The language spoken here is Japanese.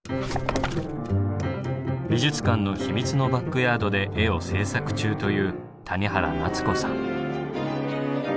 美術館の秘密のバックヤードで絵を制作中という谷原菜摘子さん。